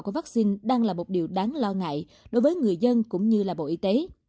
của vaccine đang là một điều đáng lo ngại đối với người dân cũng như là bộ y tế